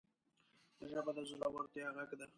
ژبه د زړورتیا غږ ده